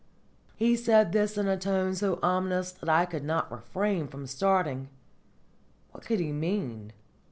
He said this in a tone so ominous that I could not refrain from starting. What could he mean?